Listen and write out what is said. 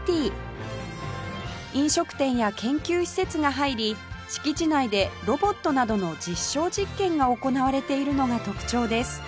飲食店や研究施設が入り敷地内でロボットなどの実証実験が行われているのが特徴です